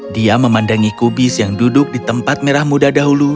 dia memandangi kubis yang duduk di tempat merah muda dahulu